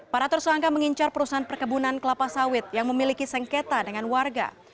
para tersangka mengincar perusahaan perkebunan kelapa sawit yang memiliki sengketa dengan warga